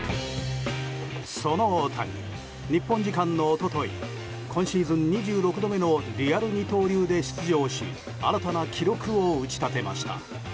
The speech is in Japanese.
その大谷、日本時間の一昨日今シーズン２６度目のリアル二刀流で出場し新たな記録を打ち立てました。